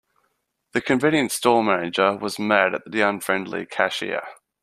The convenience store manager was mad at the unfriendly cashier.